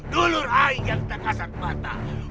dulur aing yang tak asat mata